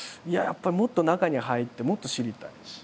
やっぱりもっと中に入ってもっと知りたいし。